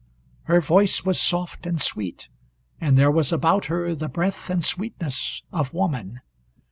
Her voice was soft and sweet, and there was about her the breath and sweetness of woman.